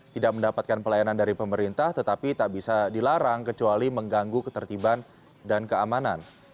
tidak mendapatkan pelayanan dari pemerintah tetapi tak bisa dilarang kecuali mengganggu ketertiban dan keamanan